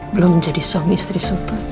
belum jadi suami istri seutuhnya